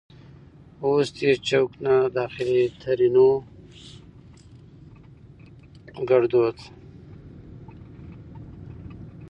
اوس دې چوک نه اخليں؛ ترينو ګړدود